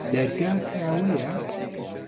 دەرگا کراوەیە؟